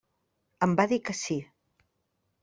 Em va dir que sí.